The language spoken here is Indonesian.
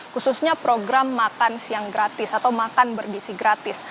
khususnya program makan siang gratis atau makan berdisi gratis